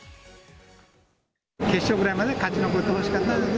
決勝ぐらいまで勝ち残ってほしかったな。